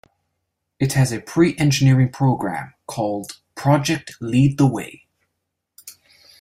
It has a pre-engineering program called "Project Lead the Way".